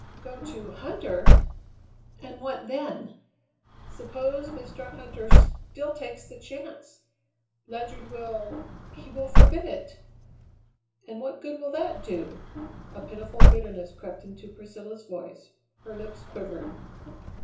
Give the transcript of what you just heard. "Go to Huntter! And what then? Suppose Mr. Huntter still takes the chance?" "Ledyard will he will forbid it!" "And what good will that do?" A pitiful bitterness crept into Priscilla's voice; her lips quivered.